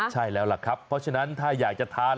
ใช่แล้วล่ะครับเพราะฉะนั้นถ้าอยากจะทาน